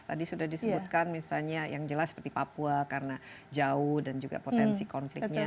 tadi sudah disebutkan misalnya yang jelas seperti papua karena jauh dan juga potensi konfliknya